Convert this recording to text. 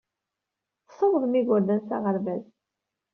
Tessawaḍem igerdan s aɣerbaz.